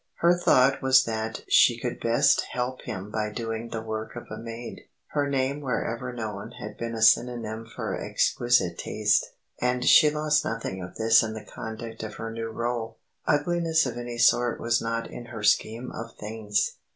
Her thought was that she could best help him by doing the work of a maid. Her name wherever known had been a synonym for exquisite taste, and she lost nothing of this in the conduct of her new rôle. Ugliness of any sort was not in her scheme of things.